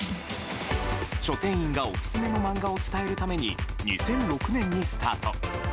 書店員がオススメの漫画を伝えるために２００６年にスタート。